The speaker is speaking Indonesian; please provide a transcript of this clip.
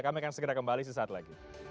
kami akan segera kembali sesaat lagi